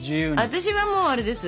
私はもうあれです。